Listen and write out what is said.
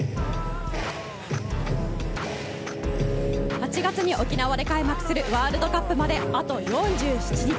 ８月に沖縄で開幕するワールドカップまであと４７日。